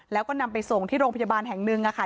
แล้วก็นำไปส่งที่โรงพยาบาลแห่งหนึ่งค่ะ